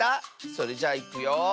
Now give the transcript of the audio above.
それじゃいくよ。